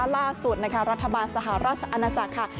ล่าสุดรัฐบาลสหรัฐอาณาจักร